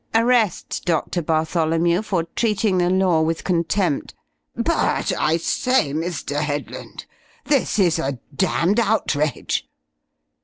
"Arrest Doctor Bartholomew for treating the Law with contempt " "But, I say, Mr. Headland, this is a damned outrage!"